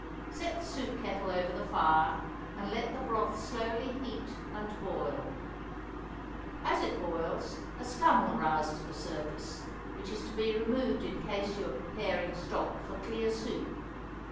Set the soup kettle over the fire, and let the broth slowly heat and boil. As it boils a scum will rise to the surface, which is to be removed in case you are preparing stock for clear soup.